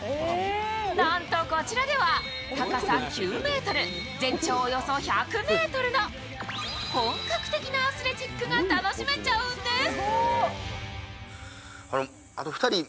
なんと、こちらでは高さ９ｍ、全長およそ１００ｍの本格的なアスレチックが楽しめちゃうんです。